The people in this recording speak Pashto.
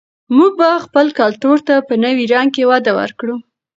موږ به خپل کلتور ته په نوي رنګ کې وده ورکړو.